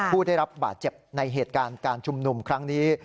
ผู้ได้รับบาดเจ็บในเหตุการณ์การชุมนุมครั้งนี้